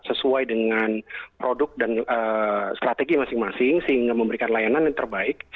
sesuai dengan produk dan strategi masing masing sehingga memberikan layanan yang terbaik